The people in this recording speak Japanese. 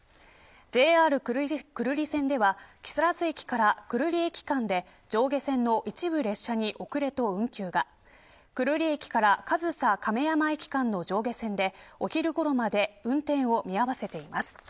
ＪＲ久留里線では木更津駅から久留里駅間で上下線の一部列車に遅れと運休が久留里駅から上総亀山駅間の上下線でお昼ごろまで運転を見合わせています。